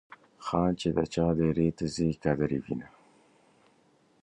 خان چې د چا دیرې ته ځي قدر یې وینه.